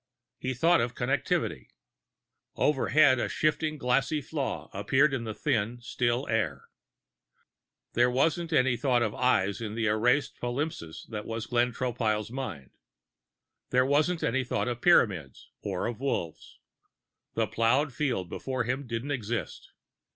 He thought of Connectivity. (Overhead, a shifting glassy flaw appeared in the thin, still air.) There wasn't any thought of Eyes in the erased palimpsest that was Glenn Tropile's mind. There wasn't any thought of Pyramids or of Wolves. The plowed field before him didn't exist.